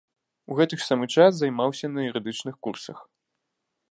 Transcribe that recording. У гэты ж самы час займаўся на юрыдычных курсах.